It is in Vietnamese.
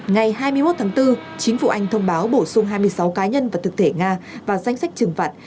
ngày hai mươi một tháng bốn chính phủ anh thông báo bổ sung hai mươi sáu cá nhân và thực thể nga vào danh sách trừng phạt